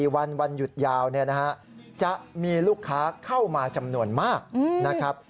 วันหยุดยาวจะมีลูกค้าเข้ามาจำนวนมากนะครับ